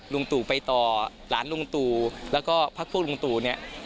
ลุงตู่ไปต่อหลานลุงตู่แล้วก็พักพวกลุงตู่เนี่ย